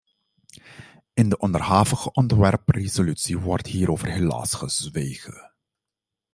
In de onderhavige ontwerpresolutie wordt hierover helaas gezwegen.